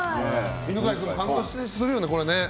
犬飼君、感動するよね。